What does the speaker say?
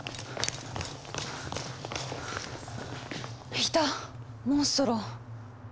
いたモンストロ！